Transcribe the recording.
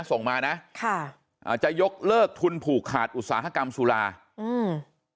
ส่งมานะค่ะอ่าจะยกเลิกทุนผูกขาดอุตสาหกรรมสุราอืม